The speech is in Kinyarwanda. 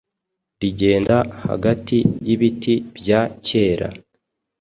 Rigenda hagati y'ibiti bya kera.